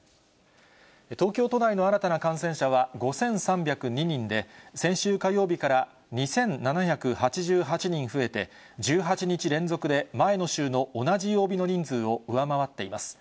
東京都内の新たな感染者は５３０２人で、先週火曜日から２７８８人増えて、１８日連続で前の週の同じ曜日の人数を上回っています。